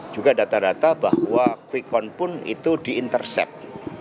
juga data data bahwa quick count pun itu di intercept